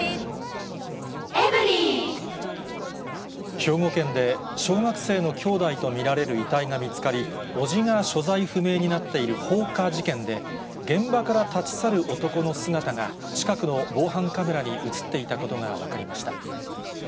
兵庫県で小学生の兄弟と見られる遺体が見つかり、伯父が所在不明になっている放火事件で、現場から立ち去る男の姿が、近くの防犯カメラに写っていたことが分かりました。